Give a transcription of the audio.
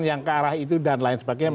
yang ke arah itu dan lain sebagainya